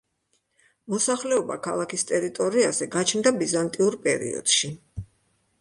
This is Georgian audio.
მოსახლეობა ქალაქის ტერიტორიაზე გაჩნდა ბიზანტიურ პერიოდში.